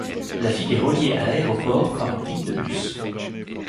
La ville est reliée à l'aéroport par une ligne de bus.